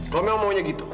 lu memang maunya gitu